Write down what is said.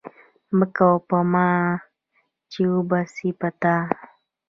مه کوه په ما، چي وبه سي په تا